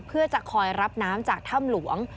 เพื่อจะคอยรับน้ำจากถ้ำหลวง